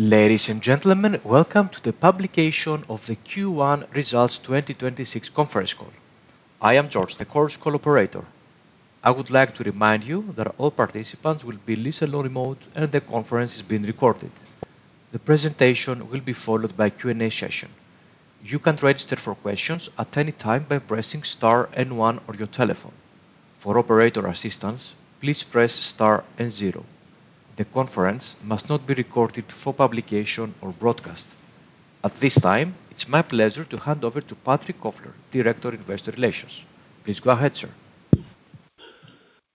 Ladies and gentlemen, welcome to the publication of the Q1 Results 2026 conference call. I am George, the Chorus Call operator. I would like to remind you that all participants will be in listen-only mode, and the conference is being recorded. The presentation will be followed by a Q&A session. You can register for questions at any time by pressing star 1 on your telephone. For operator assistance, please press star 0. The conference must not be recorded for publication or broadcast. At this time, it's my pleasure to hand over to Patrick Kofler, Director of Investor Relations. Please go ahead, sir.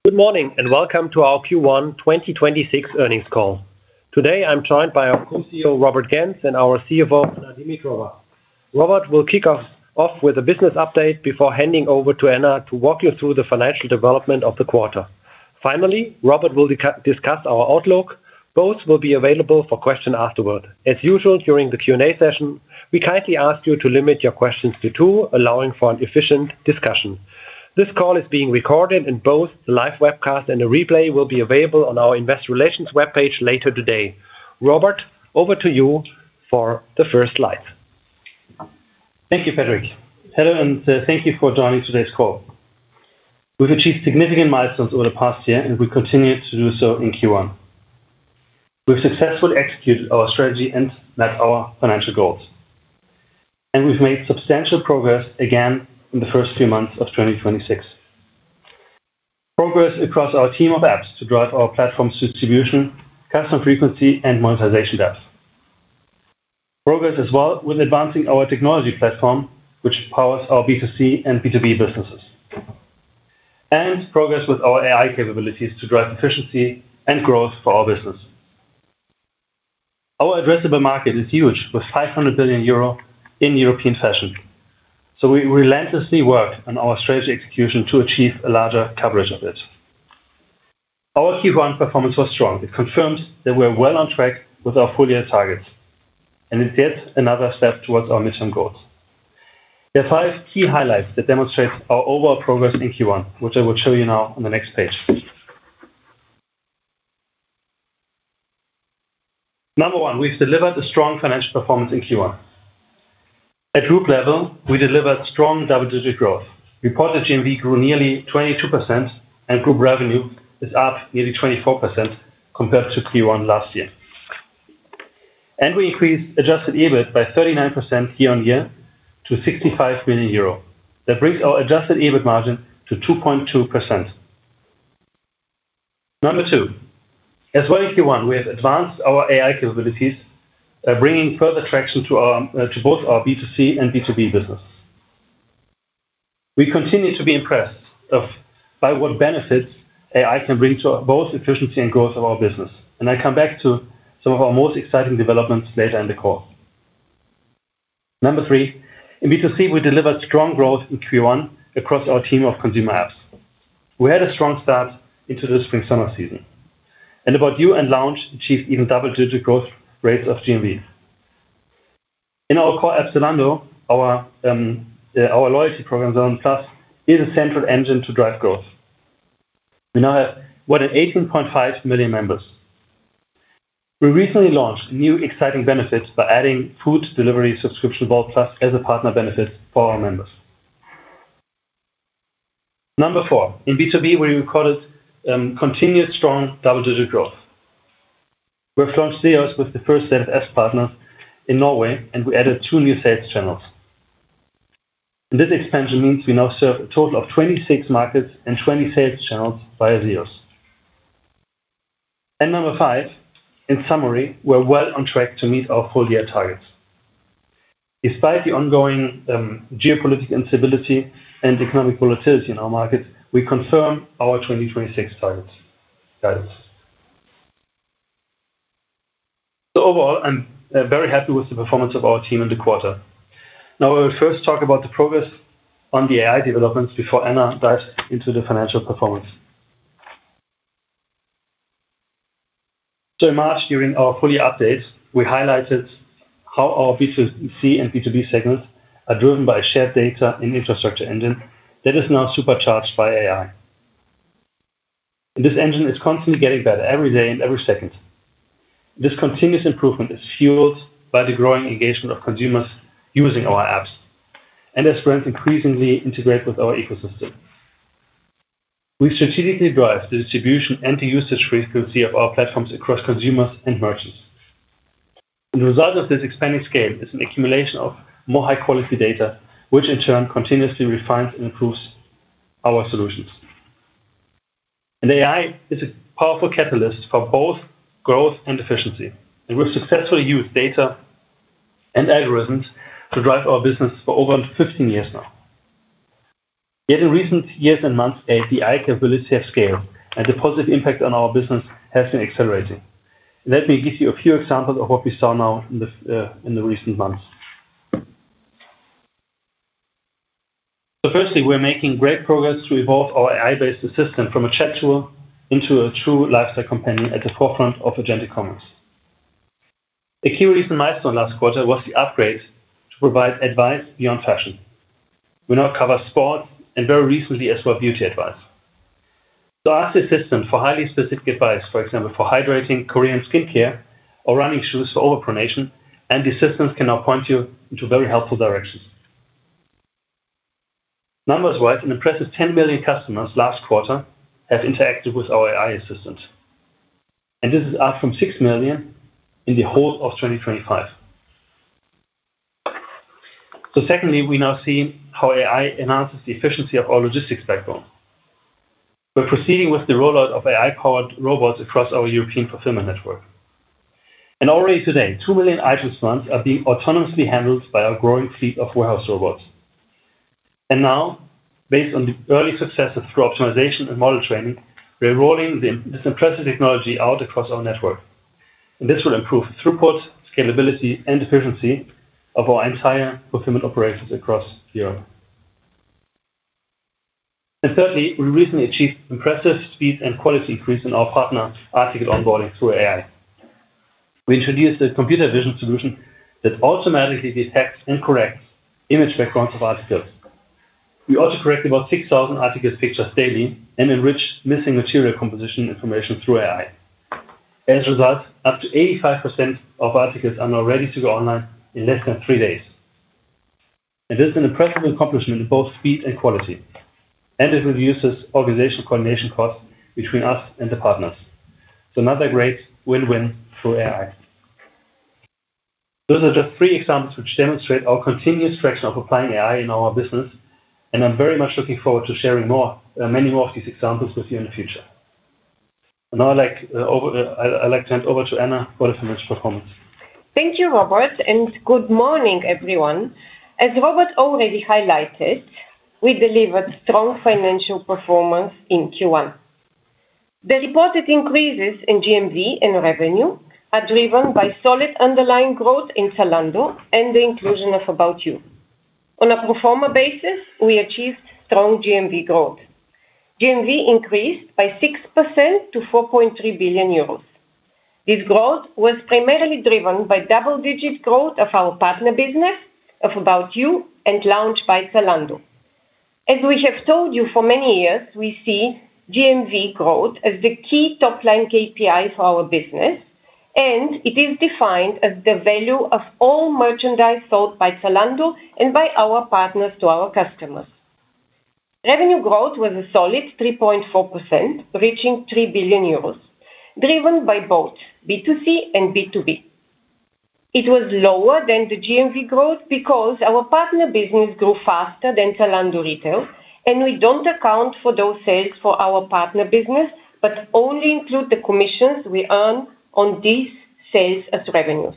Good morning, welcome to our Q1 2026 earnings call. Today, I'm joined by our co-CEO, Robert Gentz, and our CFO, Anna Dimitrova. Robert will kick us off with a business update before handing over to Anna to walk you through the financial development of the quarter. Finally, Robert will discuss our outlook. Both will be available for questions afterward. As usual, during the Q&A session, we kindly ask you to limit your questions to 2, allowing for an efficient discussion. This call is being recorded, and both the live webcast and the replay will be available on our investor relations webpage later today. Robert, over to you for the first slide. Thank you, Patrick. Hello, and thank you for joining today's call. We've achieved significant milestones over the past year, and we continue to do so in Q1. We've successfully executed our strategy and met our financial goals. We've made substantial progress again in the first few months of 2026. Progress across our team of apps to drive our platform's distribution, customer frequency, and monetization depth. Progress as well with advancing our technology platform, which powers our B2C and B2B businesses. Progress with our AI capabilities to drive efficiency and growth for our business. Our addressable market is huge, with 500 billion euro in European fashion, we relentlessly work on our strategy execution to achieve a larger coverage of it. Our Q1 performance was strong. It confirmed that we're well on track with our full-year targets, it's yet another step towards our mission goals. There are five key highlights that demonstrate our overall progress in Q1, which I will show you now on the next page. Number 1, we've delivered a strong financial performance in Q1. At group level, we delivered strong double-digit growth. Reported GMV grew nearly 22%, group revenue is up nearly 24% compared to Q1 last year. We increased adjusted EBIT by 39% year-on-year to 65 million euro. That brings our adjusted EBIT margin to 2.2%. Number 2, as well in Q1, we have advanced our AI capabilities, bringing further traction to both our B2C and B2B business. We continue to be impressed by what benefits AI can bring to both efficiency and growth of our business. I come back to some of our most exciting developments later in the call. Number three, in B2C, we delivered strong growth in Q1 across our team of consumer apps. We had a strong start into the spring/summer season. ABOUT YOU and Lounge achieved even double-digit growth rates of GMV. In our core app, Zalando, our loyalty program, Zalando Plus, is a central engine to drive growth. We now have more than 18.5 million members. We recently launched new exciting benefits by adding food delivery subscription, Wolt+ as a partner benefit for our members. Number four, in B2B, we recorded continued strong double-digit growth. We've launched ZEOS with the first set of S-Partners in Norway, and we added 2 new sales channels. This expansion means we now serve a total of 26 markets and 20 sales channels via ZEOS. Number five, in summary, we're well on track to meet our full-year targets. Despite the ongoing geopolitical instability and economic volatility in our markets, we confirm our 2026 targets, guys. Overall, I'm very happy with the performance of our team in the quarter. I will first talk about the progress on the AI developments before Anna dives into the financial performance. In March, during our full year update, we highlighted how our B2C and B2B segments are driven by shared data and infrastructure engine that is now supercharged by AI. This engine is constantly getting better every day and every second. This continuous improvement is fueled by the growing engagement of consumers using our apps and as brands increasingly integrate with our ecosystem. We strategically drive the distribution and the usage frequency of our platforms across consumers and merchants. The result of this expanding scale is an accumulation of more high-quality data, which in turn continuously refines and improves our solutions. AI is a powerful catalyst for both growth and efficiency, and we've successfully used data and algorithms to drive our business for over 15 years now. Yet in recent years and months, AI capabilities have scaled, and the positive impact on our business has been accelerating. Let me give you a few examples of what we saw now in the recent months. Firstly, we're making great progress to evolve our AI-based assistant from a chat tool into a true lifestyle companion at the forefront of agentic commerce. A key recent milestone last quarter was the upgrade to provide advice beyond fashion. We now cover sports and very recently as well beauty advice. Ask the assistant for highly specific advice. For example, for hydrating Korean skincare or running shoes for overpronation, the assistants can now point you into very helpful directions. Numbers-wise, an impressive 10 million customers last quarter have interacted with our AI assistants, this is up from 6 million in the whole of 2025. Secondly, we now see how AI enhances the efficiency of our logistics backbone. We're proceeding with the rollout of AI-powered robots across our European fulfillment network. Already today, 2 million items a month are being autonomously handled by our growing fleet of warehouse robots. Now, based on the early successes through optimization and model training, we are rolling this impressive technology out across our network. This will improve throughput, scalability, and efficiency of our entire fulfillment operations across Europe. Thirdly, we recently achieved impressive speed and quality increase in our partner article onboarding through AI. We introduced a computer vision solution that automatically detects and corrects image backgrounds of articles. We also correct about 6,000 article pictures daily and enrich missing material composition information through AI. As a result, up to 85% of articles are now ready to go online in less than 3 days. It is an impressive accomplishment in both speed and quality, and it reduces organizational coordination costs between us and the partners. Another great win-win through AI. Those are just 3 examples which demonstrate our continuous traction of applying AI in our business, and I'm very much looking forward to sharing many more of these examples with you in the future. Now I'd like to hand over to Anna for the financial performance. Thank you, Robert. Good morning, everyone. As Robert already highlighted, we delivered strong financial performance in Q1. The reported increases in GMV and revenue are driven by solid underlying growth in Zalando and the inclusion of About You. On a pro forma basis, we achieved strong GMV growth. GMV increased by 6% to 4.3 billion euros. This growth was primarily driven by double-digit growth of our partner business of About You and Lounge by Zalando. As we have told you for many years, we see GMV growth as the key top-line KPI for our business, and it is defined as the value of all merchandise sold by Zalando and by our partners to our customers. Revenue growth was a solid 3.4%, reaching 3 billion euros, driven by both B2C and B2B. It was lower than the GMV growth because our partner business grew faster than Zalando Retail, and we don't account for those sales for our partner business, but only include the commissions we earn on these sales as revenues.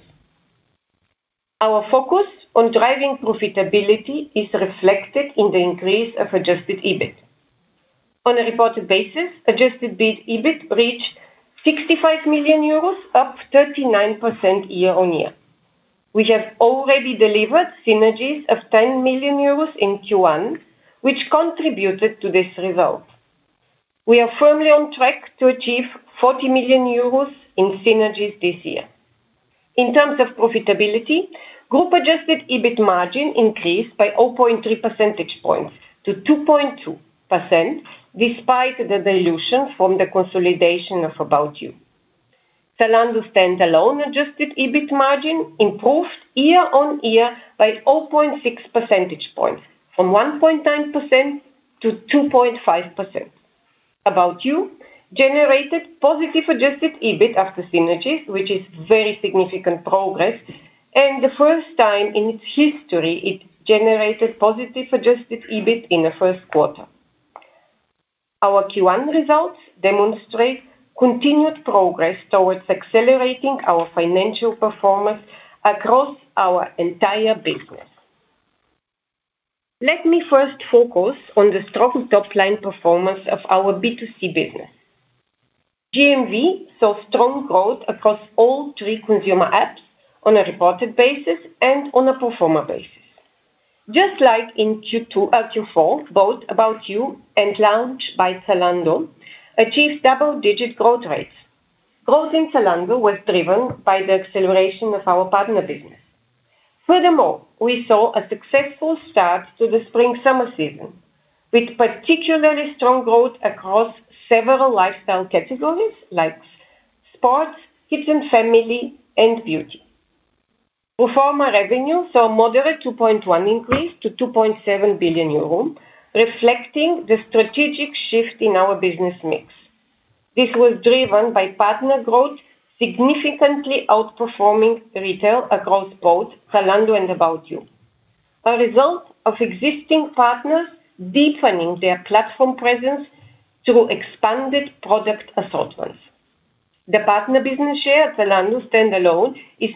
Our focus on driving profitability is reflected in the increase of adjusted EBIT. On a reported basis, adjusted EBIT reached 65 million euros, up 39% year-on-year. We have already delivered synergies of 10 million euros in Q1, which contributed to this result. We are firmly on track to achieve 40 million euros in synergies this year. In terms of profitability, group-adjusted EBIT margin increased by 0.3 percentage points to 2.2% despite the dilution from the consolidation of About You. Zalando standalone adjusted EBIT margin improved year on year by 0.6 percentage points, from 1.9% to 2.5%. About You generated positive adjusted EBIT after synergies, which is very significant progress, and the first time in its history it generated positive adjusted EBIT in the first quarter. Our Q1 results demonstrate continued progress towards accelerating our financial performance across our entire business. Let me first focus on the strong top-line performance of our B2C business. GMV saw strong growth across all three consumer apps on a reported basis and on a pro forma basis. Just like in Q4, both About You and Lounge by Zalando achieved double-digit growth rates. Growth in Zalando was driven by the acceleration of our partner business.` Furthermore, we saw a successful start to the spring/summer season, with particularly strong growth across several lifestyle categories like sports, kids and family, and beauty. Pro forma revenue saw a moderate 2.1% increase to 2.7 billion euro, reflecting the strategic shift in our business mix. This was driven by partner growth significantly outperforming retail across both Zalando and About You, a result of existing partners deepening their platform presence through expanded product assortments. The partner business share at Zalando standalone is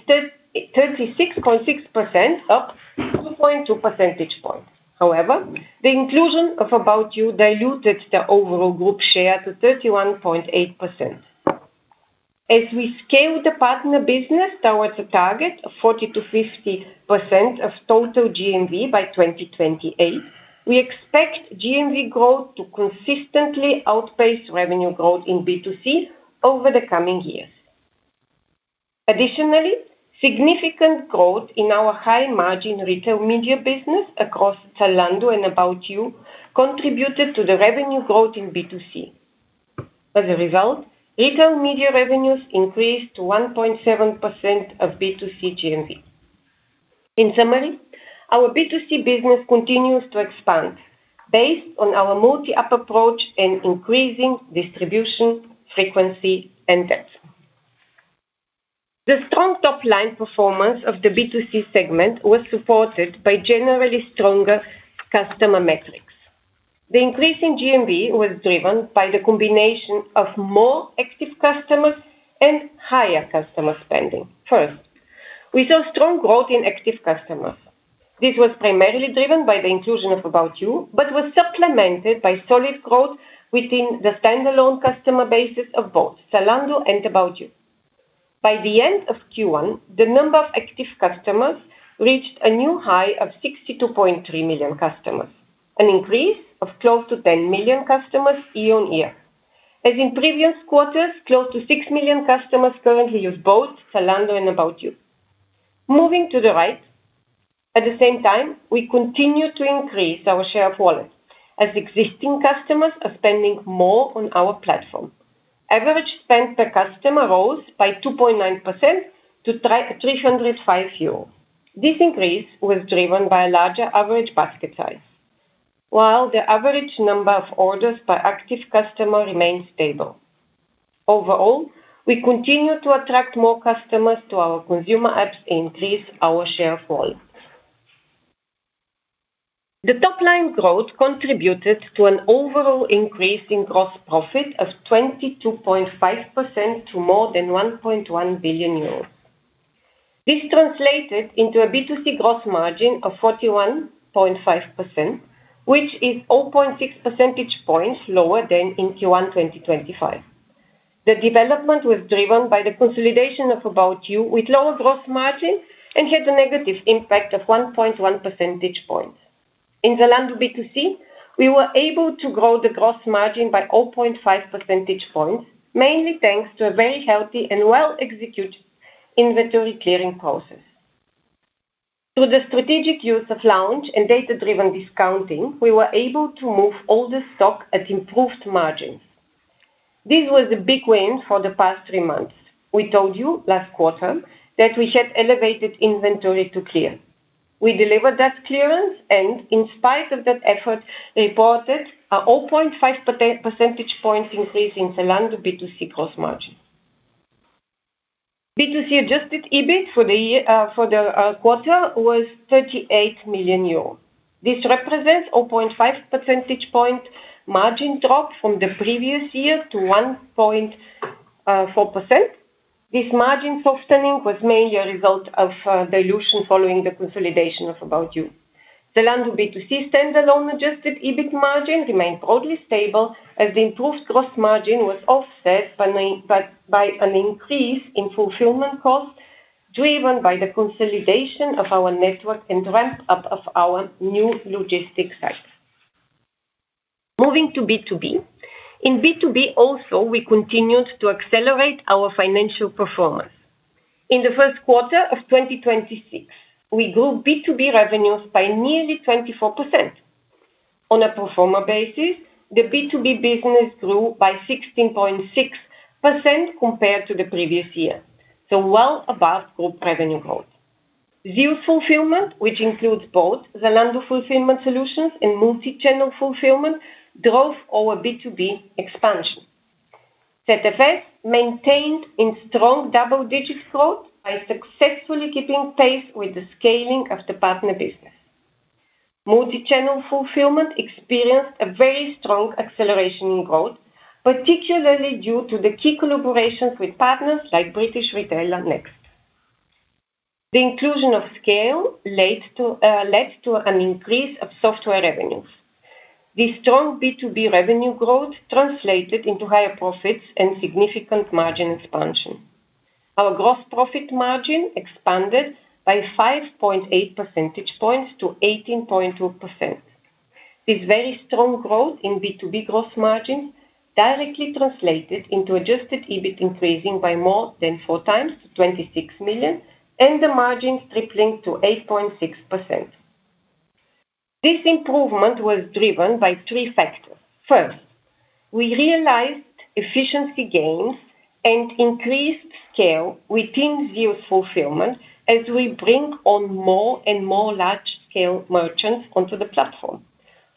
36.6%, up 2.2 percentage points. However, the inclusion of About You diluted the overall group share to 31.8%. As we scale the partner business towards a target of 40%-50% of total GMV by 2028, we expect GMV growth to consistently outpace revenue growth in B2C over the coming years. Significant growth in our high margin retail media business across Zalando and About You contributed to the revenue growth in B2C. Retail media revenues increased to 1.7% of B2C GMV. Our B2C business continues to expand based on our multi-app approach and increasing distribution frequency and depth. The strong top-line performance of the B2C segment was supported by generally stronger customer metrics. The increase in GMV was driven by the combination of more active customers and higher customer spending. We saw strong growth in active customers. This was primarily driven by the inclusion of About You, but was supplemented by solid growth within the standalone customer bases of both Zalando and About You. By the end of Q1, the number of active customers reached a new high of 62.3 million customers, an increase of close to 10 million customers year-on-year. As in previous quarters, close to 6 million customers currently use both Zalando and About You. Moving to the right, at the same time, we continue to increase our share of wallet as existing customers are spending more on our platform. Average spend per customer rose by 2.9% to 305 euros. This increase was driven by a larger average basket size, while the average number of orders per active customer remained stable. Overall, we continue to attract more customers to our consumer apps and increase our share of wallet. The top-line growth contributed to an overall increase in gross profit of 22.5% to more than 1.1 billion euros. This translated into a B2C gross margin of 41.5%, which is 0.6 percentage points lower than in Q1 2025. The development was driven by the consolidation of About You with lower gross margin and had a negative impact of 1.1 percentage points. In Zalando B2C, we were able to grow the gross margin by 0.5 percentage points, mainly thanks to a very healthy and well-executed inventory clearing process. Through the strategic use of lounge and data-driven discounting, we were able to move older stock at improved margins. This was a big win for the past 3 months. We told you last quarter that we had elevated inventory to clear. We delivered that clearance and, in spite of that effort, reported 0.5 percentage points increase in Zalando B2C gross margin. B2C adjusted EBIT for the year, for the quarter was 38 million euro. This represents 0.5 percentage point margin drop from the previous year to 1.4%. This margin softening was mainly a result of dilution following the consolidation of About You. Zalando B2C standalone adjusted EBIT margin remained broadly stable as the improved gross margin was offset by an increase in fulfillment costs, driven by the consolidation of our network and ramp up of our new logistics sites. Moving to B2B. In B2B also, we continued to accelerate our financial performance. In the first quarter of 2026, we grew B2C revenues by nearly 24%. On a pro forma basis, the B2B business grew by 16.6% compared to the previous year, well above group revenue growth. ZEOS Fulfillment, which includes both Zalando Fulfilment Solutions and Multi-Channel Fulfillment, drove our B2B expansion. ZFS maintained in strong double-digit growth by successfully keeping pace with the scaling of the partner business. Multi-Channel Fulfillment experienced a very strong acceleration in growth, particularly due to the key collaborations with partners like British retailer Next. The inclusion of Scayle led to an increase of software revenues. This strong B2B revenue growth translated into higher profits and significant margin expansion. Our gross profit margin expanded by 5.8 percentage points to 18.2%. This very strong growth in B2B gross margins directly translated into adjusted EBIT increasing by more than four times to 26 million, and the margins tripling to 8.6%. This improvement was driven by 3 factors. First, we realized efficiency gains and increased scale within ZEOS Fulfillment as we bring on more and more large-scale merchants onto the platform.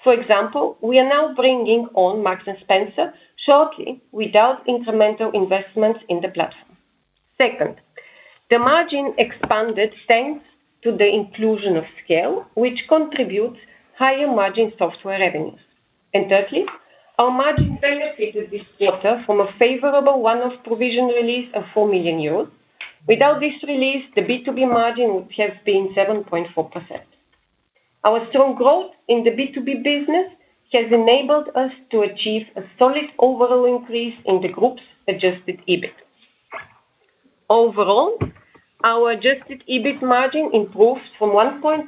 For example, we are now bringing on Marks & Spencer shortly without incremental investments in the platform. Second, the margin expanded thanks to the inclusion of Scayle, which contributes higher margin software revenues. Thirdly, our margin benefited this quarter from a favorable one-off provision release of 4 million euros. Without this release, the B2B margin would have been 7.4%. Our strong growth in the B2B business has enabled us to achieve a solid overall increase in the group's adjusted EBIT. Overall, our adjusted EBIT margin improved from 1.9%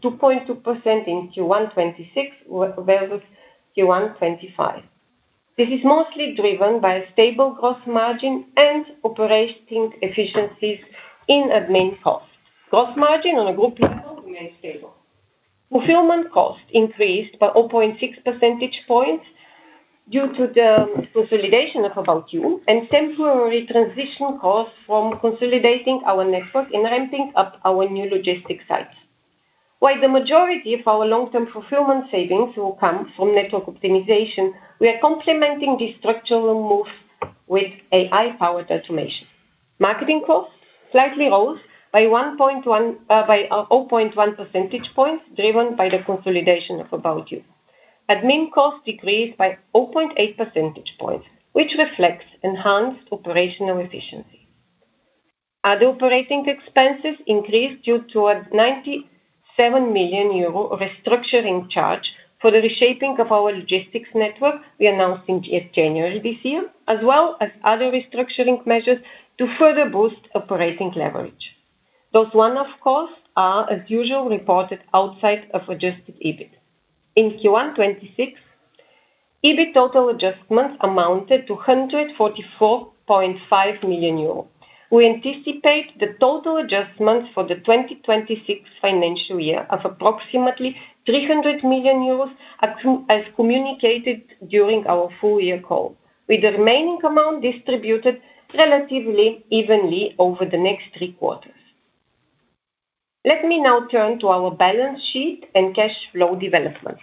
to 2.2% in Q1 2026 versus Q1 2025. This is mostly driven by a stable gross margin and operating efficiencies in admin costs. Gross margin on a group level remains stable. Fulfillment costs increased by 0.6 percentage points due to the consolidation of About You and temporary transition costs from consolidating our network and ramping up our new logistics sites. While the majority of our long-term fulfillment savings will come from network optimization, we are complementing this structural move with AI-powered automation. Marketing costs slightly rose by 0.1 percentage points, driven by the consolidation of About You. Admin costs decreased by 0.8 percentage points, which reflects enhanced operational efficiency. Other operating expenses increased due to a 97 million euro restructuring charge for the reshaping of our logistics network we announced in January this year, as well as other restructuring measures to further boost operating leverage. Those one-off costs are, as usual, reported outside of adjusted EBIT. In Q1 2026, EBIT total adjustments amounted to 144.5 million euros. We anticipate the total adjustments for the 2026 financial year of approximately 300 million euros, as communicated during our full year call, with the remaining amount distributed relatively evenly over the next three quarters. Let me now turn to our balance sheet and cash flow development.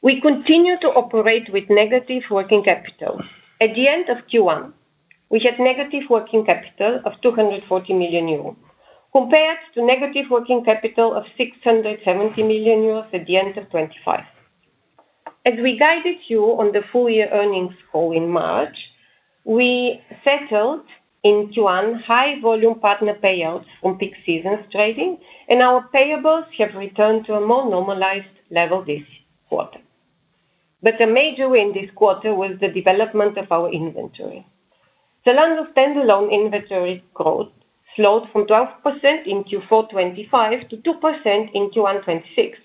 We continue to operate with negative working capital. At the end of Q1, we had negative working capital of 240 million euros, compared to negative working capital of 670 million euros at the end of 2025. As we guided you on the full year earnings call in March, we settled in Q1 high volume partner payouts on peak seasons trading, and our payables have returned to a more normalized level this quarter. The major win this quarter was the development of our inventory. Zalando's standalone inventory growth slowed from 12% in Q4 2025 to 2% in Q1 2026.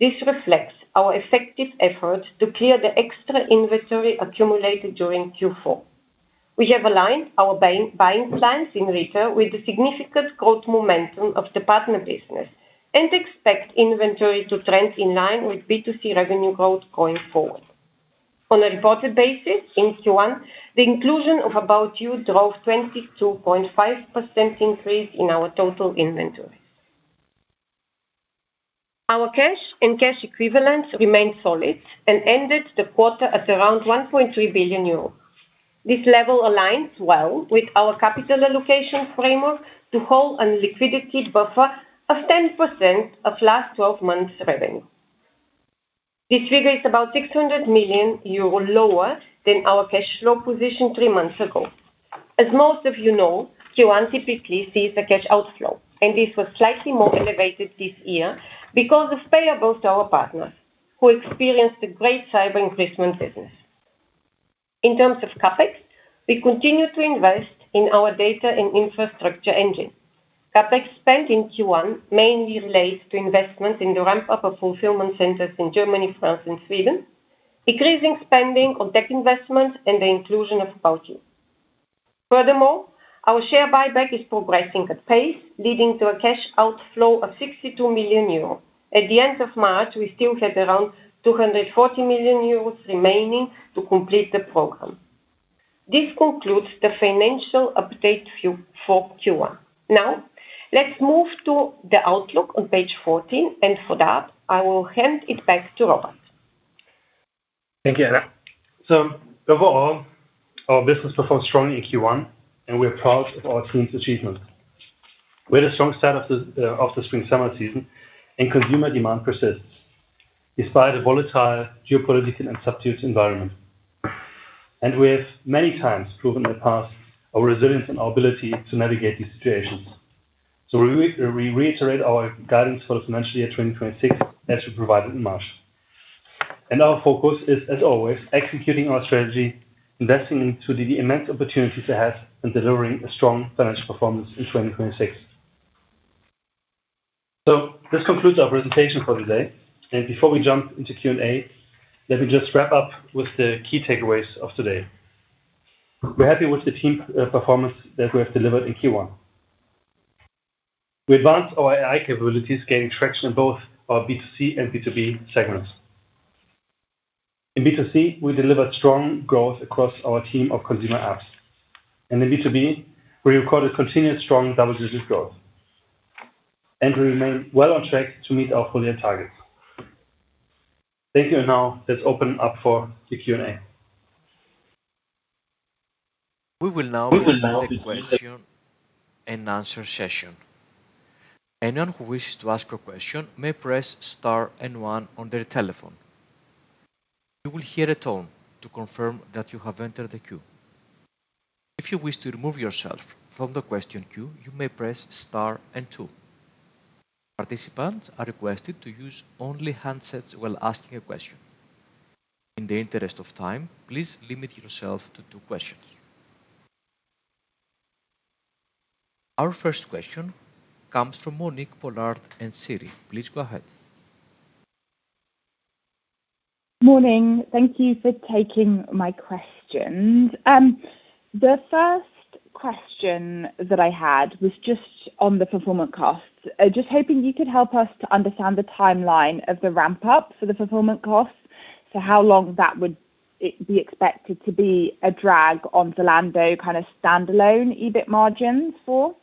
This reflects our effective effort to clear the extra inventory accumulated during Q4. We have aligned our buying plans in retail with the significant growth momentum of the partner business and expect inventory to trend in line with B2C revenue growth going forward. On a reported basis, in Q1, the inclusion of About You drove 22.5% increase in our total inventory. Our cash and cash equivalents remained solid and ended the quarter at around 1.3 billion euros. This level aligns well with our capital allocation framework to hold a liquidity buffer of 10% of last 12 months' revenue. This figure is about 600 million euro lower than our cash flow position three months ago. As most of you know, Q1 typically sees a cash outflow, and this was slightly more elevated this year because of payables to our partners, who experienced a great Cyber Week business. In terms of CapEx, we continue to invest in our data and infrastructure engine. CapEx spent in Q1 mainly relates to investments in the ramp-up of fulfillment centers in Germany, France, and Sweden, decreasing spending on tech investments and the inclusion of About You. Furthermore, our share buyback is progressing at pace, leading to a cash outflow of 62 million euros. At the end of March, we still had around 240 million euros remaining to complete the program. This concludes the financial update for Q1. Now, let's move to the outlook on page 14, and for that, I will hand it back to Robert. Thank you, Anna. Overall, our business performed strongly in Q1, and we're proud of our team's achievements. We had a strong start of the spring-summer season, and consumer demand persists despite a volatile geopolitical and substitute environment. We have many times proven in the past our resilience and our ability to navigate these situations. We reiterate our guidance for financial year 2026 as we provided in March. Our focus is, as always, executing our strategy, investing into the immense opportunities ahead, and delivering a strong financial performance in 2026. This concludes our presentation for today. Before we jump into Q&A, let me just wrap up with the key takeaways of today. We're happy with the team performance that we have delivered in Q1. We advanced our AI capabilities, gaining traction in both our B2C and B2B segments. In B2C, we delivered strong growth across our team of consumer apps. In B2B, we recorded continued strong double-digit growth. We remain well on track to meet our full year targets. Thank you. Now let's open up for the Q&A. We will now begin the question and answer session. Anyone who wishes to ask a question may press star and one on their telephone. You will hear a tone to confirm that you have entered the queue. If you wish to remove yourself from the question queue, you may press star and two. Participants are requested to use only handsets while asking a question. In the interest of time, please limit yourself to two questions. Our first question comes from Monique Pollard and Citi. Please go ahead. Morning. Thank you for taking my questions. The first question that I had was just on the fulfillment costs. Just hoping you could help us to understand the timeline of the ramp up for the fulfillment costs. How long it be expected to be a drag on Zalando kind of standalone EBIT margins for?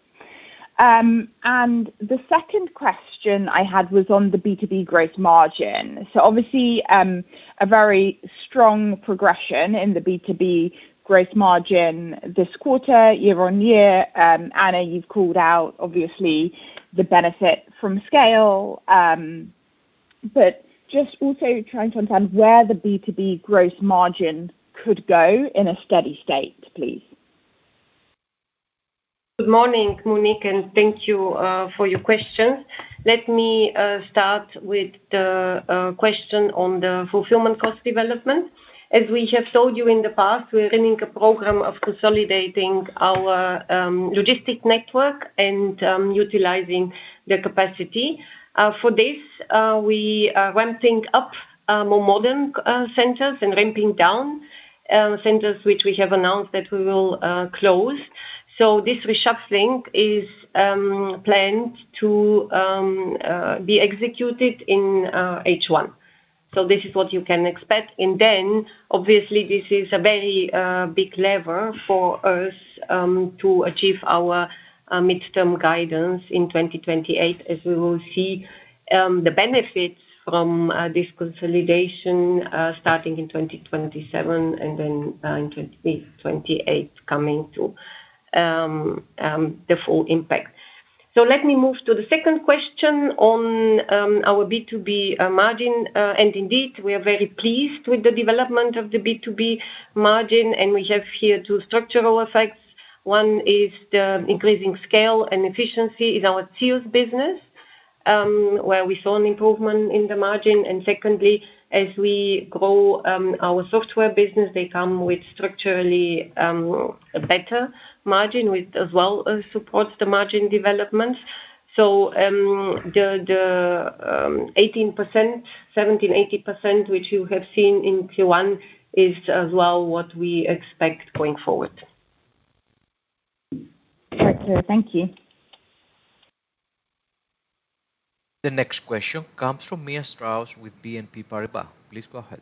The second question I had was on the B2B gross margin. Obviously, a very strong progression in the B2B gross margin this quarter, year-on-year. Anna, you've called out obviously the benefit from scale. Just also trying to understand where the B2B gross margin could go in a steady state, please. Good morning, Monique, thank you for your questions. Let me start with the question on the fulfillment cost development. As we have told you in the past, we're running a program of consolidating our logistic network and utilizing the capacity. For this, we are ramping up more modern centers and ramping down centers which we have announced that we will close. This reshuffling is planned to be executed in H1. This is what you can expect. Obviously this is a very big lever for us to achieve our midterm guidance in 2028 as we will see the benefits from this consolidation starting in 2027 and then in 2028 coming to the full impact. Let me move to the second question on our B2B margin. Indeed, we are very pleased with the development of the B2B margin, and we have here two structural effects. One is the increasing scale and efficiency in our ZEOS business, where we saw an improvement in the margin. Secondly, as we grow our software business, they come with structurally a better margin, which as well supports the margin development. The 18%, 17%, 18% which you have seen in Q1 is as well what we expect going forward. Right. Thank you. The next question comes from Mia Strauss with BNP Paribas. Please go ahead.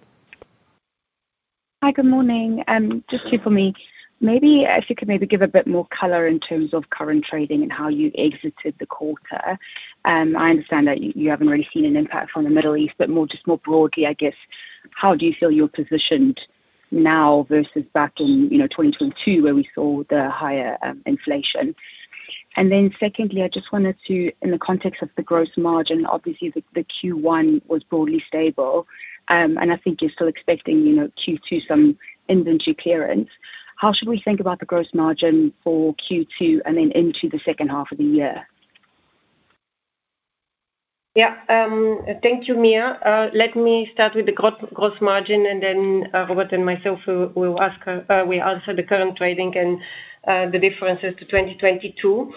Hi, good morning. Just 2 for me. Maybe if you could give a bit more color in terms of current trading and how you exited the quarter. I understand that you haven't really seen an impact from the Middle East, but just more broadly, I guess, how do you feel you're positioned now versus back in, you know, 2022, where we saw the higher inflation? Secondly, I just wanted to, in the context of the gross margin, obviously the Q1 was broadly stable. I think you're still expecting, you know, Q2 some inventory clearance. How should we think about the gross margin for Q2 and then into the second half of the year? Thank you, Mia. Let me start with the gross margin and then Robert and myself will answer the current trading and the differences to 2022.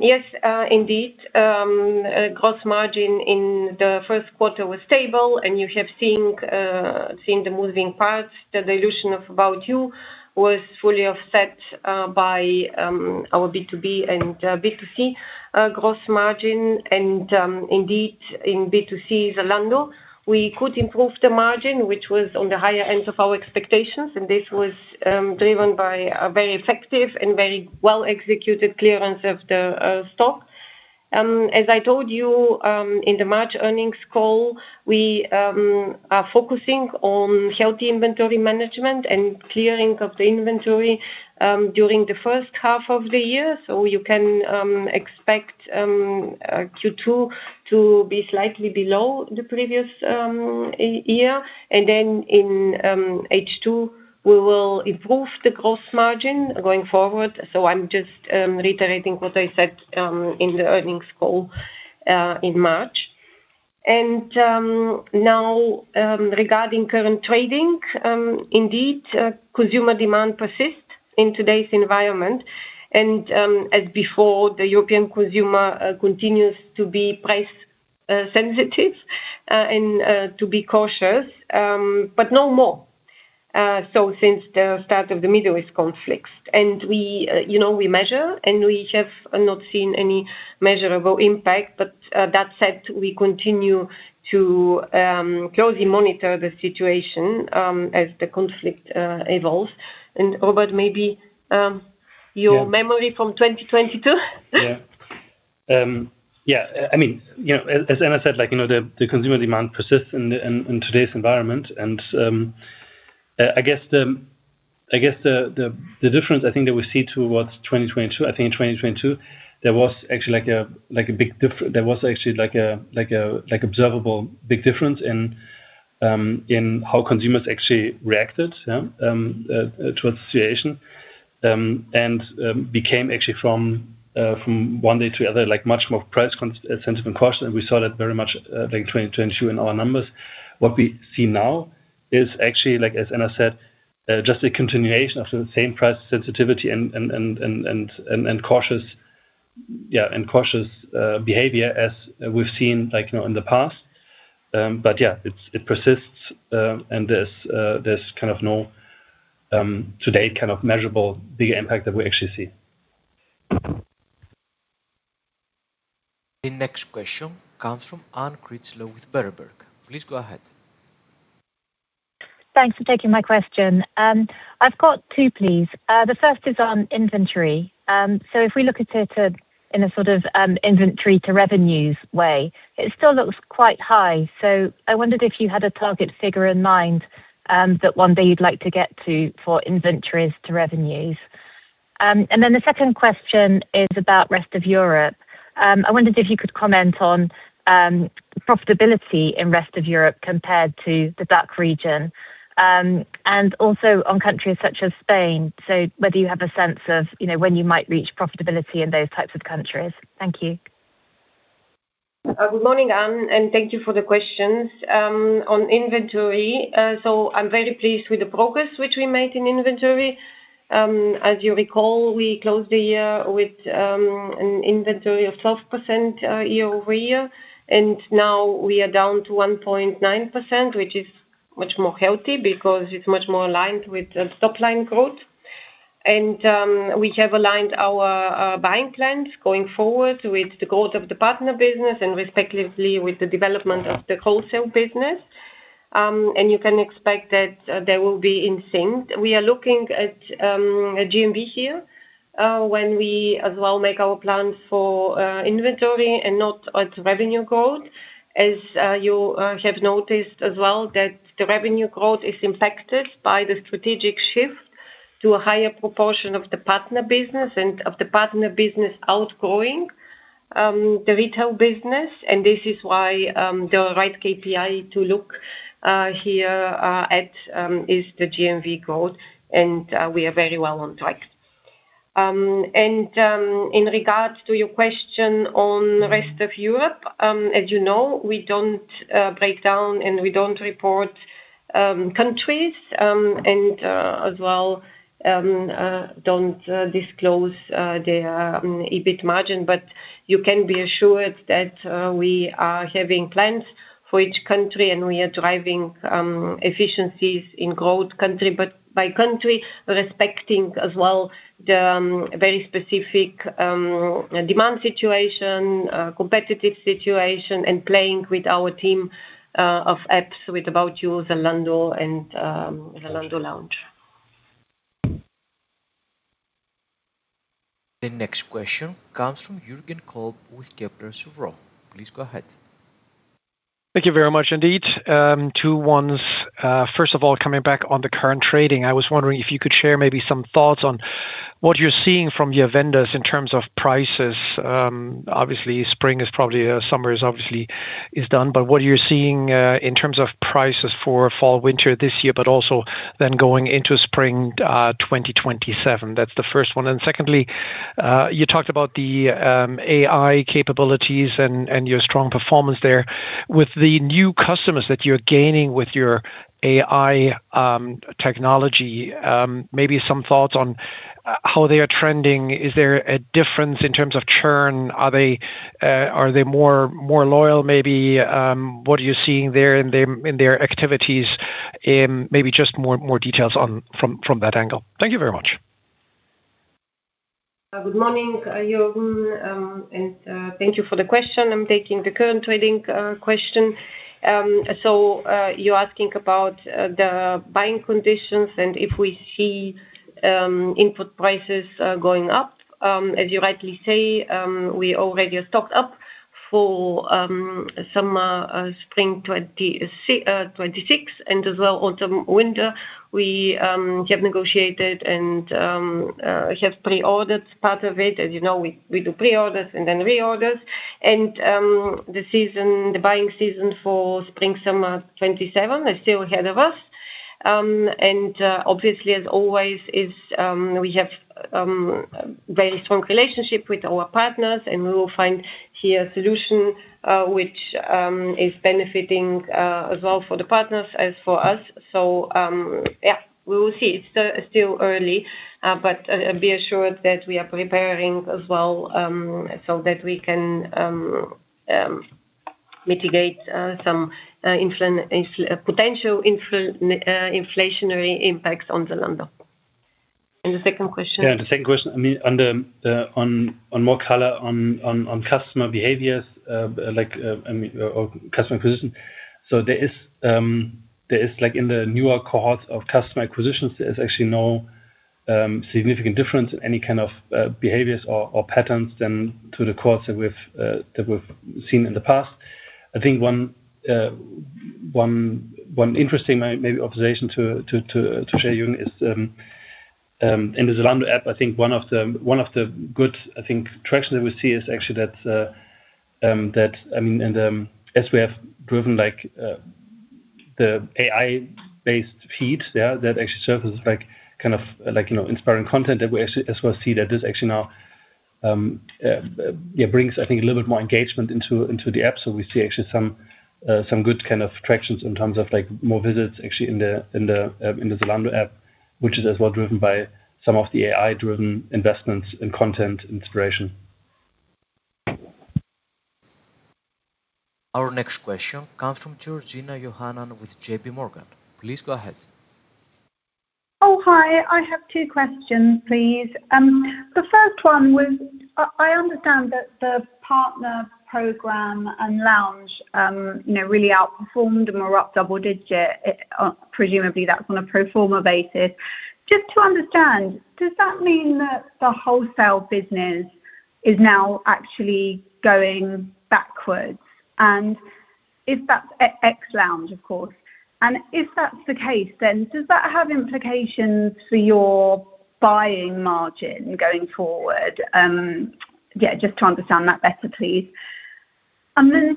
Yes, indeed, gross margin in the first quarter was stable and you have seen the moving parts. The dilution of About You was fully offset by our B2B and B2C gross margin. Indeed in B2C, Zalando, we could improve the margin, which was on the higher end of our expectations, and this was driven by a very effective and very well-executed clearance of the stock. As I told you, in the March earnings call, we are focusing on healthy inventory management and clearing of the inventory during the first half of the year. You can expect Q2 to be slightly below the previous year. Then in H2, we will improve the gross margin going forward. I'm just reiterating what I said in the earnings call in March. Now, regarding current trading, indeed, consumer demand persists in today's environment. As before, the European consumer continues to be price sensitive and to be cautious, but no more so since the start of the Middle East conflicts. We, you know, we measure, and we have not seen any measurable impact. That said, we continue to closely monitor the situation as the conflict evolves. Robert, maybe, your memory from 2022? Yeah. I mean, you know, as Anna said, like, you know, the consumer demand persists in today's environment. I guess the difference I think that we see towards 2022, I think in 2022, there was actually like an observable big difference in how consumers actually reacted towards the situation and became actually from one day to another, like much more price sensitive and cautious. We saw that very much, like 2022 in our numbers. What we see now is actually like, as Anna said, just a continuation of the same price sensitivity and cautious behavior as we've seen like, you know, in the past. Yeah, it's, it persists. There's kind of no today kind of measurable big impact that we actually see. The next question comes from Anne Critchlow with Berenberg. Please go ahead. Thanks for taking my question. I've got two, please. The first is on inventory. If we look at it in a sort of inventory to revenues way, it still looks quite high. I wondered if you had a target figure in mind that one day you'd like to get to for inventories to revenues. The second question is about rest of Europe. I wondered if you could comment on profitability in rest of Europe compared to the DACH region and also on countries such as Spain. Whether you have a sense of, you know, when you might reach profitability in those types of countries. Thank you. Good morning, Anne, thank you for the questions. On inventory, I'm very pleased with the progress which we made in inventory. As you recall, we closed the year with an inventory of 12% year-over-year, now we are down to 1.9%, which is much more healthy because it's much more aligned with top line growth. We have aligned our buying plans going forward with the goals of the partner business and respectively with the development of the wholesale business. You can expect that they will be in sync. We are looking at a GMV here when we as well make our plans for inventory and not at revenue growth. As you have noticed as well that the revenue growth is impacted by the strategic shift to a higher proportion of the partner business and of the partner business outgrowing the retail business. This is why the right KPI to look here at is the GMV growth, and we are very well on track. In regards to your question on rest of Europe, as you know, we don't break down, and we don't report countries, and as well don't disclose their EBIT margin. You can be assured that, we are having plans for each country, and we are driving efficiencies in growth country, but by country, respecting as well the very specific demand situation, competitive situation, and playing with our team of apps with About You, Zalando, and Zalando Lounge. The next question comes from Jürgen Kolb with Kepler Cheuvreux. Please go ahead. Thank you very much indeed. Two ones. First of all, coming back on the current trading, I was wondering if you could share maybe some thoughts on what you're seeing from your vendors in terms of prices. Obviously, spring is probably, summer is obviously is done, but what you're seeing, in terms of prices for fall/winter this year but also then going into spring, 2027. That's the first one. Secondly, you talked about the AI capabilities and your strong performance there. With the new customers that you're gaining with your AI technology, maybe some thoughts on how they are trending. Is there a difference in terms of churn? Are they more loyal maybe? What are you seeing there in their activities? Maybe just more details on from that angle. Thank you very much. Good morning, Jürgen, thank you for the question. You're asking about the buying conditions and if we see input prices going up. As you rightly say, we already are stocked up for summer, spring 2026, and as well autumn/winter. We have negotiated and have pre-ordered part of it. As you know, we do pre-orders and then re-orders. The season, the buying season for spring/summer 2027 is still ahead of us. Obviously, as always is, we have very strong relationship with our partners, and we will find here a solution which is benefiting as well for the partners as for us. Yeah, we will see. It's still early, but be assured that we are preparing as well, so that we can mitigate some potential inflationary impacts on Zalando. The second question? Yeah, the second question, more color on customer behaviors, or customer acquisition. There is in the newer cohorts of customer acquisitions, there is actually no significant difference in any kind of behaviors or patterns than to the cohorts that we've seen in the past. I think one interesting maybe observation to share, Jürgen, is in the Zalando app, I think one of the good, I think, traction that we see is actually that as we have driven the AI-based feed, that actually surfaces kind of inspiring content that we actually as well see that is actually now. Yeah, brings I think a little bit more engagement into the app. We see actually some good kind of tractions in terms of like more visits actually in the Zalando app, which is as well driven by some of the AI-driven investments in content inspiration. Our next question comes from Georgina Johanan with JPMorgan. Please go ahead. Hi. I have 2 questions, please. The first one was, I understand that the partner program and Lounge, you know, really outperformed and were up double-digit. Presumably, that's on a pro forma basis. Just to understand, does that mean that the wholesale business is now actually going backwards? If that's ex-Lounge, of course. If that's the case, does that have implications for your buying margin going forward? Yeah, just to understand that better, please.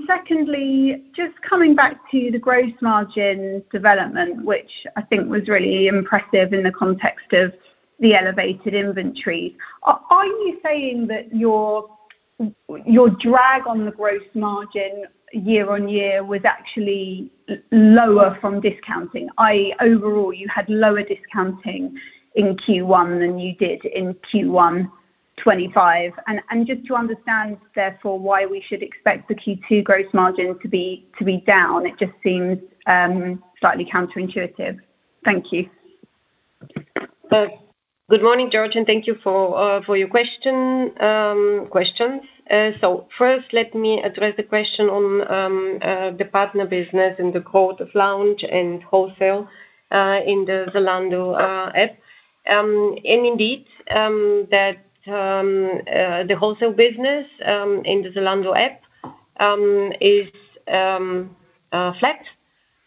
Secondly, just coming back to the gross margin development, which I think was really impressive in the context of the elevated inventory. Are you saying that your drag on the gross margin year-over-year was actually lower from discounting, i.e. overall you had lower discounting in Q1 than you did in Q1 2025? Just to understand therefore why we should expect the Q2 gross margin to be down, it just seems slightly counterintuitive. Thank you. Good morning, George, thank you for your question, questions. First let me address the question on the partner business and the growth of Lounge and wholesale in the Zalando app. Indeed, that the wholesale business in the Zalando app is flat.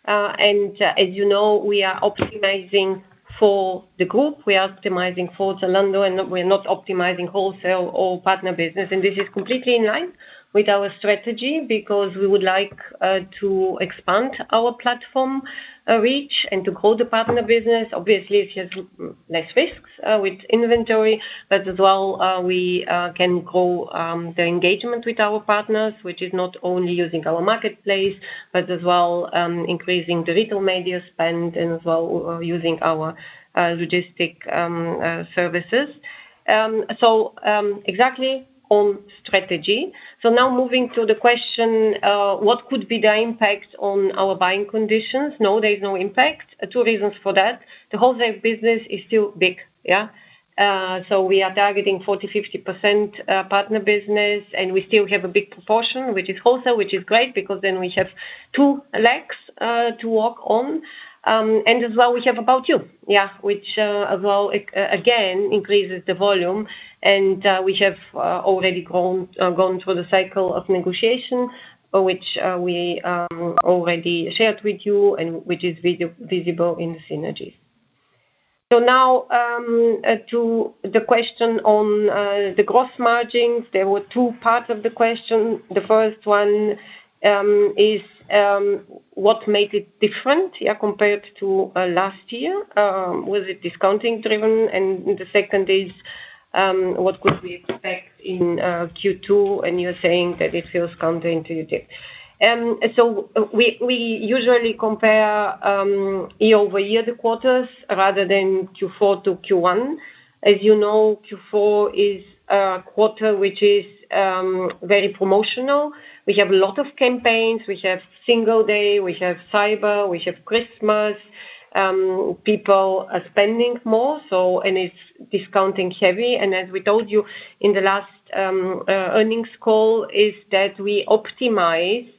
As you know, we are optimizing for the group. We are optimizing for Zalando, we're not optimizing wholesale or partner business. This is completely in line with our strategy because we would like to expand our platform reach and to grow the partner business. Obviously, it has less risks with inventory, but as well, we can grow the engagement with our partners, which is not only using our marketplace, but as well, increasing the retail media spend and as well, using our logistic services. Exactly on strategy. Now moving to the question, what could be the impact on our buying conditions? No, there is no impact. Two reasons for that. The wholesale business is still big. We are targeting 40%, 50% partner business, and we still have a big proportion, which is wholesale, which is great because then we have two legs to walk on. And as well, we have About You, which as well again increases the volume. We have already gone through the cycle of negotiations, which we already shared with you and which is visible in synergies. Now to the question on the gross margins. There were two parts of the question. The first one is what made it different compared to last year. Was it discounting driven? The second is what could we expect in Q2, and you're saying that it feels counterintuitive. We usually compare year-over-year the quarters rather than Q4 to Q1. As you know, Q4 is a quarter which is very promotional. We have a lot of campaigns. We have Singles' Day, we have Cyber, we have Christmas. People are spending more, so and it's discounting heavy. As we told you in the last earnings call, is that we optimize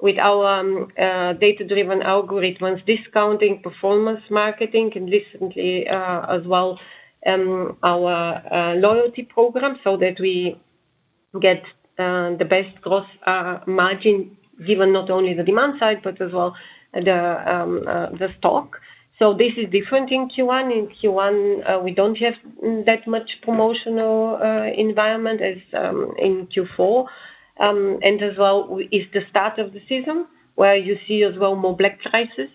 with our data-driven algorithms, discounting performance marketing, and recently as well our loyalty program so that we get the best gross margin given not only the demand side, but as well the stock. This is different in Q1. In Q1, we don't have that much promotional environment as in Q4. As well, it's the start of the season, where you see as well more black prices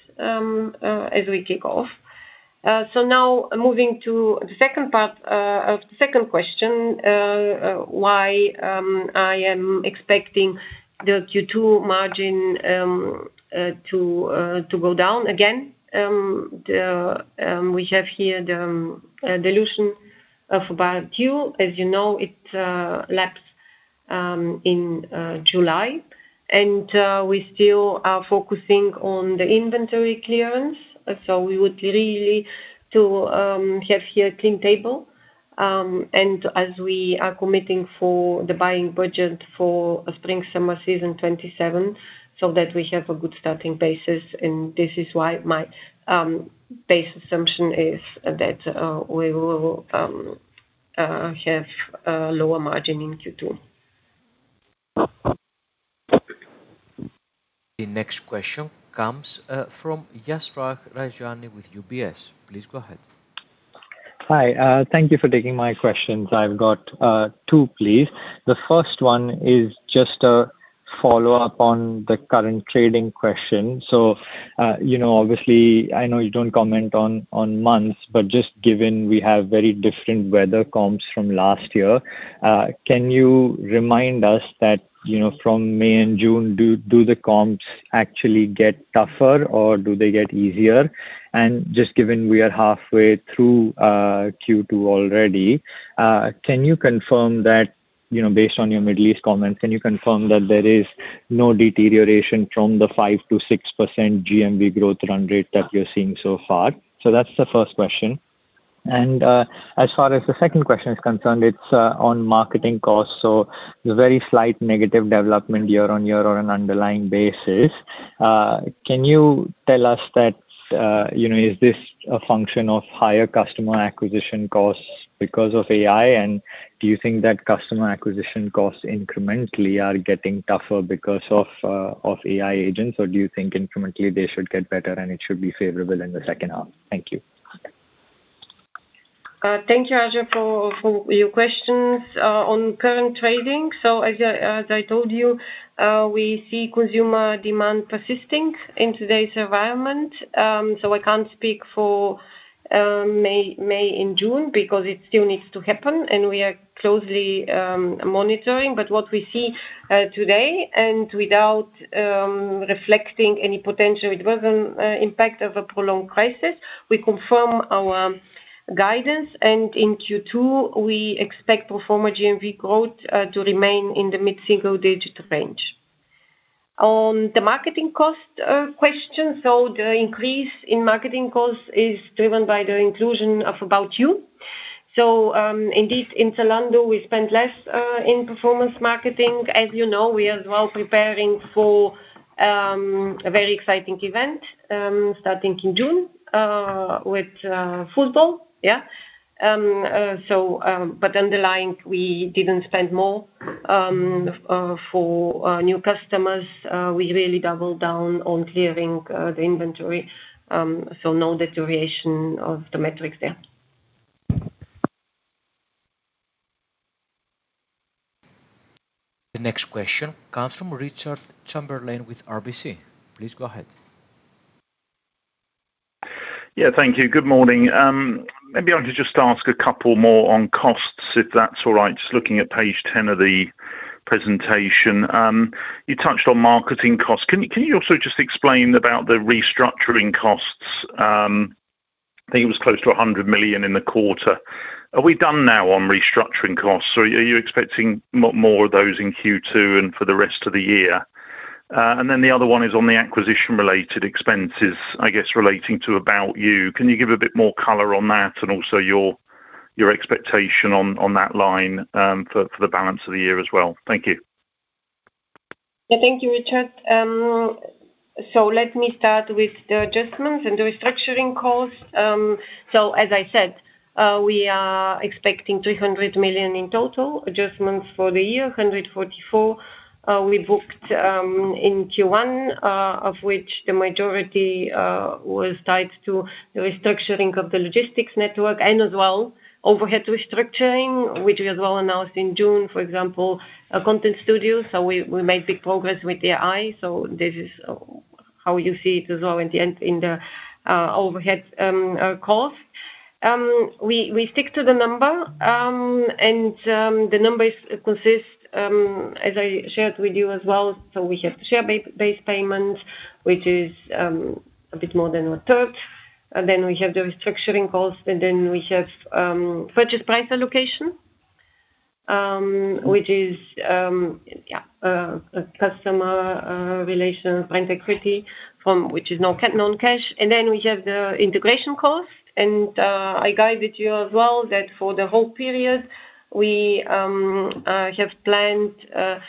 as we kick off. Now moving to the second part of the second question, why I am expecting the Q2 margin to go down again. We have here the dilution of About You. As you know, it lapsed in July. We still are focusing on the inventory clearance, so we would really to have here a clean table. As we are committing for the buying budget for spring, summer season 2027, so that we have a good starting basis, and this is why my base assumption is that we will have a lower margin in Q2. The next question comes from Yashraj Rajani with UBS. Please go ahead. Hi. Thank you for taking my questions. I've got 2, please. The first one is just a Follow up on the current trading question. You know, obviously, I know you don't comment on months, but just given we have very different weather comps from last year, can you remind us that, you know, from May and June, do the comps actually get tougher, or do they get easier? Just given we are halfway through Q2 already, can you confirm that, you know, based on your mid-single-digit comments, can you confirm that there is no deterioration from the 5% to 6% GMV growth run rate that you're seeing so far? That's the first question. As far as the second question is concerned, it's on marketing costs, a very slight negative development year-on-year on an underlying basis. Can you tell us that, is this a function of higher customer acquisition costs because of AI? Do you think that customer acquisition costs incrementally are getting tougher because of AI agents? Do you think incrementally they should get better and it should be favorable in the second half? Thank you. Thank you, Yashraj, for your questions on current trading. As I told you, we see consumer demand persisting in today's environment. I can't speak for May and June because it still needs to happen, and we are closely monitoring. What we see today and without reflecting any potential adverse impact of a prolonged crisis, we confirm our guidance. In Q2, we expect pro forma GMV growth to remain in the mid-single-digit range. On the marketing cost question, the increase in marketing costs is driven by the inclusion of About You. Indeed, in Zalando, we spend less in performance marketing. As you know, we are as well preparing for a very exciting event starting in June with football. Underlying, we didn't spend more for new customers. We really doubled down on clearing the inventory, so no deterioration of the metrics there. The next question comes from Richard Chamberlain with RBC Capital Markets. Please go ahead. Yeah, thank you. Good morning. Maybe I want to just ask a couple more on costs, if that's all right. Just looking at page 10 of the presentation. You touched on marketing costs. Can you also just explain about the restructuring costs? I think it was close to 100 million in the quarter. Are we done now on restructuring costs, or are you expecting more of those in Q2 and for the rest of the year? Then the other one is on the acquisition related expenses, I guess, relating to About You. Can you give a bit more color on that and also your expectation on that line, for the balance of the year as well? Thank you. Thank you, Richard. Let me start with the adjustments and the restructuring costs. As I said, we are expecting 300 million in total adjustments for the year. 144 we booked in Q1, of which the majority was tied to the restructuring of the logistics network and as well overhead restructuring, which we as well announced in June, for example, a content studio. We made big progress with AI. This is how you see it as well in the end in the overhead cost. We stick to the number. The numbers consist as I shared with you as well. We have share-based payment, which is a bit more than a third. We have the restructuring costs. We have purchase price allocation, which is a customer relations brand equity from which is non-cash. We have the integration cost. I guided you as well that for the whole period we have planned a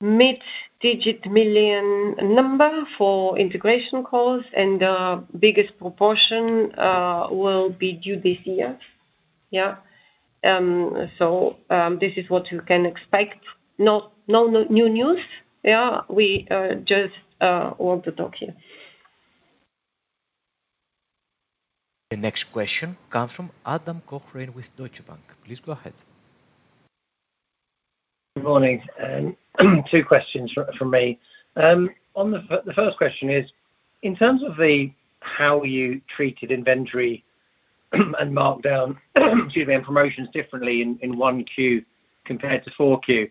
mid-digit million number for integration cost, and the biggest proportion will be due this year. This is what you can expect. No new news. We just want to talk here. The next question comes from Adam Cochrane with Deutsche Bank. Please go ahead. Good morning. 2 questions from me. On the first question is, in terms of the how you treated inventory and markdown, excuse me, and promotions differently in 1 Q compared to 4 Q.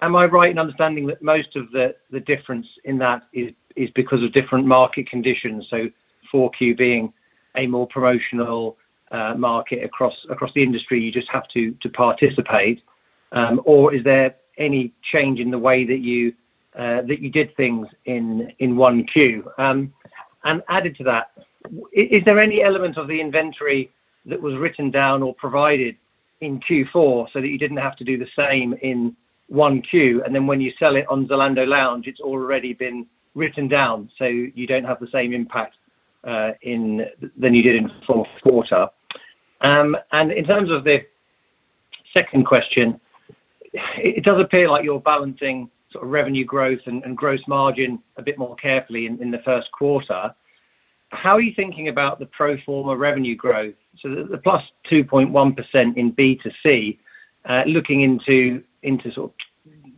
Am I right in understanding that most of the difference in that is because of different market conditions, so 4 Q being a more promotional market across the industry, you just have to participate? Or is there any change in the way that you that you did things in 1 Q? Added to that, is there any element of the inventory that was written down or provided in Q4 so that you didn't have to do the same in 1 Q, and then when you sell it on Zalando Lounge, it's already been written down, so you don't have the same impact than you did in fourth quarter? In terms of the second question, it does appear like you're balancing sort of revenue growth and gross margin a bit more carefully in the first quarter. How are you thinking about the pro forma revenue growth? The plus 2.1% in B2C, looking into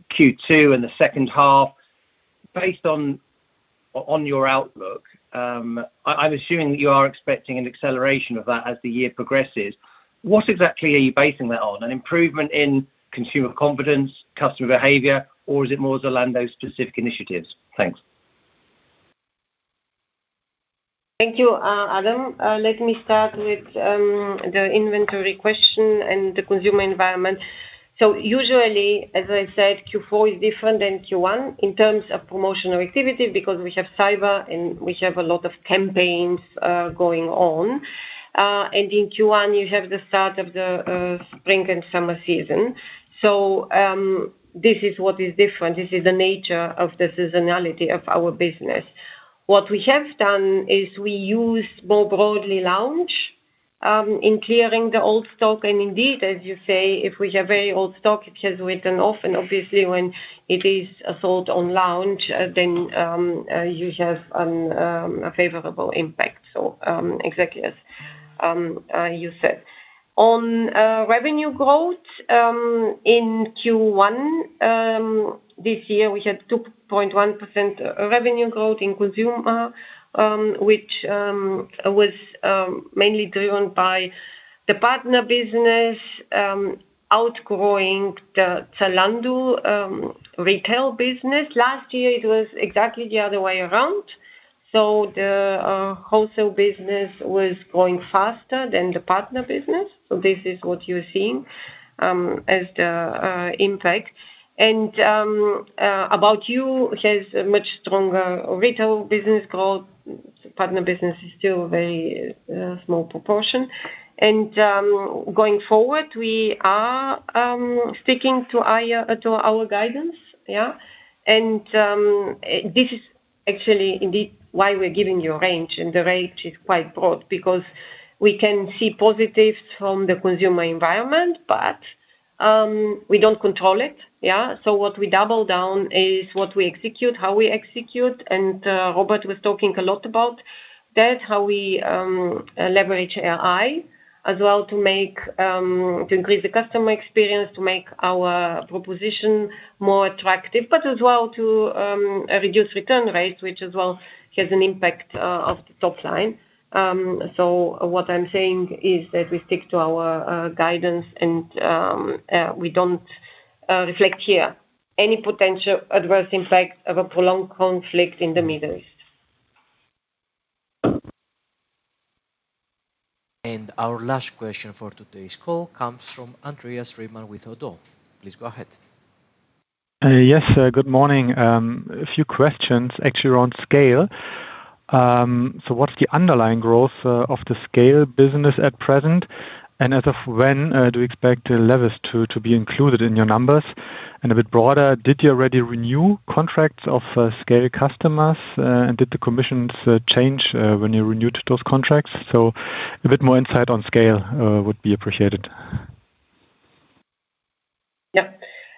Q2 and the second half based on your outlook. I'm assuming that you are expecting an acceleration of that as the year progresses. What exactly are you basing that on? An improvement in consumer confidence, customer behavior, or is it more Zalando specific initiatives? Thanks. Thank you, Adam. Let me start with the inventory question and the consumer environment. Usually, as I said, Q4 is different than Q1 in terms of promotional activity because we have Cyber and we have a lot of campaigns going on. In Q1, you have the start of the spring and summer season. This is what is different. This is the nature of the seasonality of our business. What we have done is we use more broadly Lounge in clearing the old stock. Indeed, as you say, if we have very old stock, it has written off. Obviously, when it is sold on Lounge, then you have a favorable impact. Exactly as you said. On revenue growth in Q1 this year, we had 2.1% revenue growth in consumer, which was mainly driven by the partner business outgrowing the Zalando retail business. Last year, it was exactly the other way around. The wholesale business was growing faster than the partner business. This is what you're seeing as the impact. About You has a much stronger retail business growth. Partner business is still very small proportion. Going forward, we are sticking to our guidance. Yeah. This is actually indeed why we're giving you a range, and the range is quite broad because we can see positives from the consumer environment, but we don't control it. Yeah. What we double down is what we execute, how we execute. Robert was talking a lot about that, how we leverage AI as well to make to increase the customer experience, to make our proposition more attractive, but as well to reduce return rates, which as well has an impact of the top line. What I'm saying is that we stick to our guidance and we don't reflect here any potential adverse impact of a prolonged conflict in the Middle East. Our last question for today's call comes from Andreas Riemann with ODDO BHF. Please go ahead. Good morning. A few questions actually around Scayle. What's the underlying growth of the Scayle business at present? As of when do you expect levels to be included in your numbers? A bit broader, did you already renew contracts of Scayle customers? Did the commissions change when you renewed those contracts? A bit more insight on Scayle would be appreciated.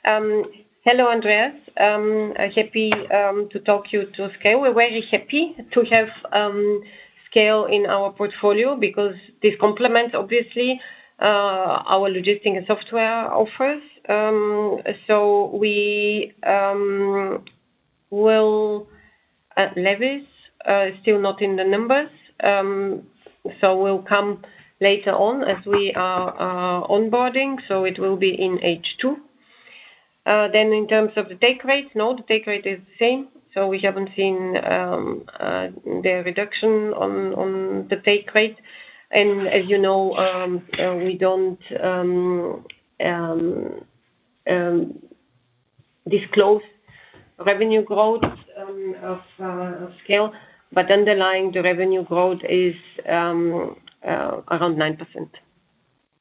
Hello, Andreas. Happy to talk you to Scayle. We're very happy to have Scayle in our portfolio because this complements obviously our logistic and software offers. We will at levels still not in the numbers. Will come later on as we are onboarding, so it will be in H2. In terms of the take rate, no, the take rate is the same. We haven't seen the reduction on the take rate. As you know, we don't disclose revenue growth of Scayle, but underlying the revenue growth is around 9%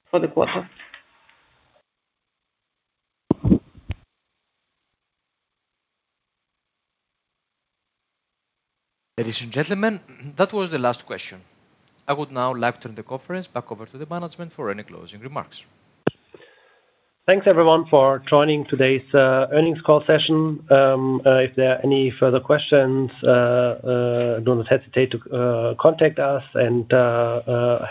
for the quarter. Ladies and gentlemen, that was the last question. I would now like to turn the conference back over to the management for any closing remarks. Thanks, everyone, for joining today's earnings call session. If there are any further questions, do not hesitate to contact us and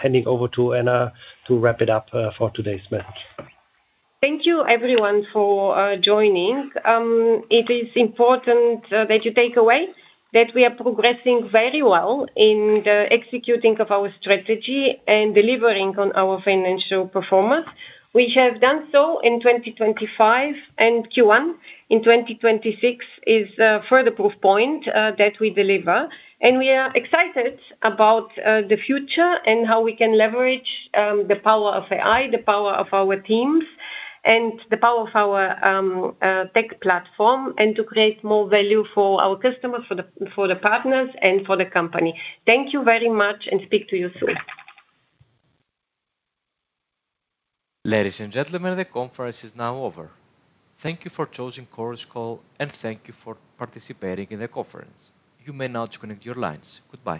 handing over to Anna to wrap it up for today's meeting. Thank you, everyone, for joining. It is important that you take away that we are progressing very well in the executing of our strategy and delivering on our financial performance. We have done so in 2025, and Q1 in 2026 is further proof point that we deliver. We are excited about the future and how we can leverage the power of AI, the power of our teams, and the power of our tech platform, to create more value for our customers, for the partners, and for the company. Thank you very much and speak to you soon. Ladies and gentlemen, the conference is now over. Thank you for choosing Chorus Call, and thank you for participating in the conference. You may now disconnect your lines. Goodbye.